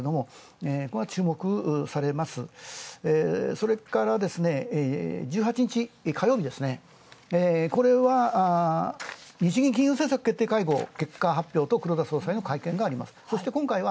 これ注目されますそれからですね、１８日火曜日ですね、これは日銀金融政策決定会合、結果発表と黒田総裁の会見があります。